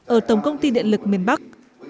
ở tổng công ty địa lực miền bắc